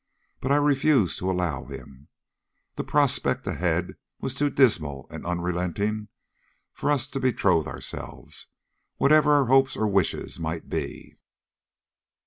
But I refused to allow him. The prospect ahead was too dismal and unrelenting for us to betroth ourselves, whatever our hopes or wishes might be."